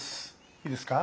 いいですか。